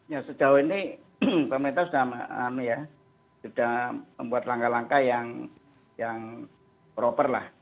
ya sejauh ini pemerintah sudah membuat langkah langkah yang proper lah